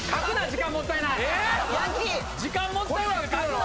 時間もったいないから書くな！